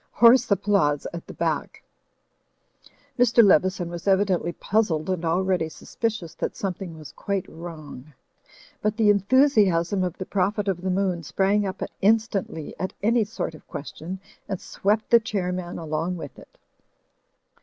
(Hoarse applause at the back.) Mr. Leveson was evidently puzzled and already suspicious that something was quite wrong. But the enthusiasm of the Prophet of the Moon sprang up in stantly at any sort of question and swept the Chair man along with it.